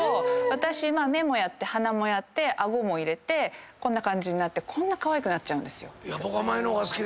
私目もやって鼻もやって顎も入れてこんな感じになってこんなかわいくなっちゃうんですよ。